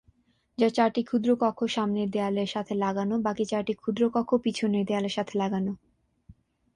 যার চারটি ক্ষুদ্র কক্ষ সামনের দেয়ালের সাথে লাগানো বাকি চারটি ক্ষুদ্র কক্ষ পিছনের দেয়ালের সাথে লাগানো।